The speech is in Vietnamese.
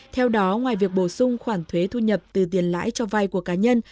theo đó ngoài việc bổ sung khoản thuế thu nhập từ tiền lãi cho vay của cá nhân